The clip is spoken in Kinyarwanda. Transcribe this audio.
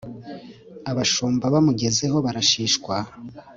abashumba bamugezeho barashishwa